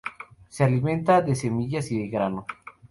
Se alimenta de semillas y grano.